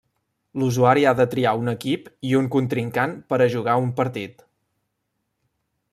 L'usuari ha de triar un equip i un contrincant per a jugar un partit.